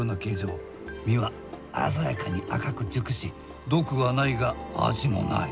実は鮮やかに赤く熟し毒はないが味もない。